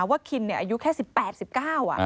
ว่าคินเนี่ยอายุแค่สิบแปดสิบเก้า